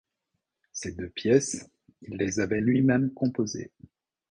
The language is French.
Ces deux pièces, il les avait lui-même composées.